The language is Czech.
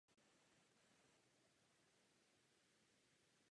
Ženám po sňatku zůstává jejich rodné příjmení.